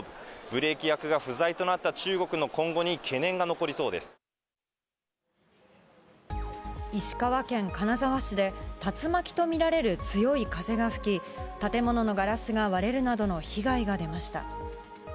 ブレーキ役が不在となった中国の石川県金沢市で、竜巻と見られる強い風が吹き、建物のガラスが割れるなどの被害が出ました。